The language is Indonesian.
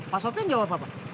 pak sofyan jawab apa